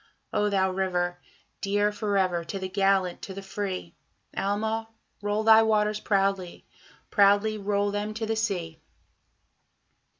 O thou river! dear for ever to the gallant, to the free, Alma! roll thy waters proudly, proudly roll them to the sea!